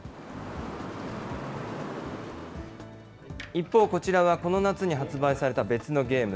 一方、こちらはこの夏に発売された別のゲーム。